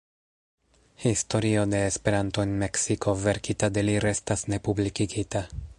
Historio de Esperanto en Meksiko, verkita de li, restas ne publikigita.